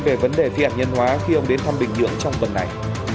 về vấn đề phi hạt nhân hóa khi ông đến thăm bình nhưỡng trong tuần này